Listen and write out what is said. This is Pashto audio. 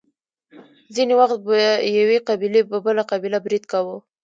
ځینې وخت به یوې قبیلې په بله قبیله برید کاوه.